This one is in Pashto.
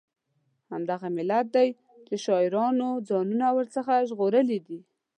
همدغه علت دی چې شاعرانو ځانونه ور څخه ژغورلي دي.